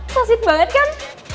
susit banget kan